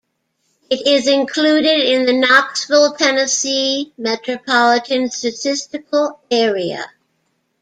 It is included in the Knoxville, Tennessee Metropolitan Statistical Area.